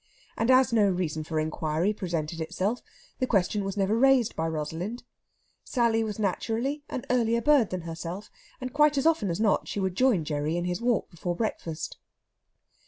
And as no reason for inquiry presented itself, the question was never raised by Rosalind. Sally was naturally an earlier bird than herself, and quite as often as not she would join Gerry in his walk before breakfast.